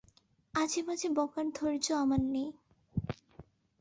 আজেবাজে বকার ধৈর্য আমার নেই।